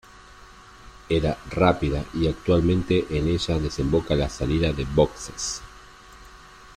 Era rápida y actualmente en ella desemboca la salida de boxes.